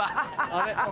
あれ？